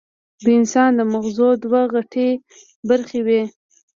د انسان د مزغو دوه غټې برخې وي